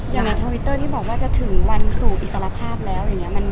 อย่างในทวิตเตอร์ที่บอกว่าจะถึงวันสู่อิสระภาพแล้ว